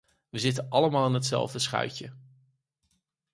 We zitten allemaal in hetzelfde schuitje.